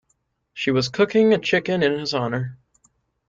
She was cooking a chicken in his honour.